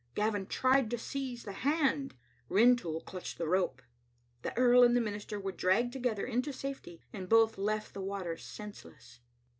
Gavin tried to seize the hand ; Rintoul clutched the rope. The earl and the minister were dragged together into safety, and both left the water senseless.